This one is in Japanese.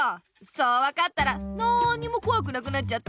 そうわかったらなんにもこわくなくなっちゃった！